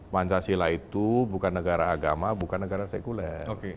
pancasila itu bukan negara agama bukan negara sekuler